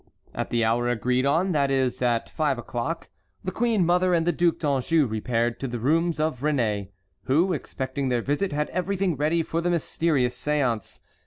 At the hour agreed on, that is, at five o'clock, the queen mother and the Duc d'Anjou repaired to the rooms of Réné, who, expecting their visit, had everything ready for the mysterious seance.